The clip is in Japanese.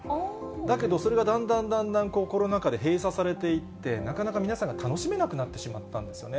だけど、それがだんだんだんだんコロナ禍で閉鎖されていって、なかなか皆さん、楽しめなくなってしまったんですよね。